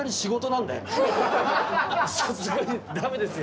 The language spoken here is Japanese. さすがにダメですよ！